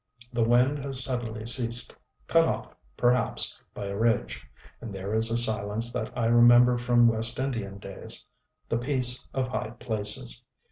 The wind has suddenly ceased cut off, perhaps, by a ridge; and there is a silence that I remember from West Indian days: the Peace of High Places.